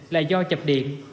là do chập điện